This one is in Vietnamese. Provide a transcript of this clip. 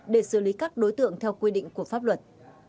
để xử lý các đối tượng theo quy định của pháp luật